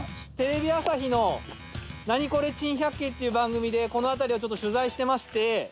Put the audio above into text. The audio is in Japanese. テレビ朝日の『ナニコレ珍百景』っていう番組でこの辺りをちょっと取材してまして。